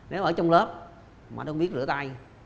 nếu ở trong lớp mà không biết rửa tay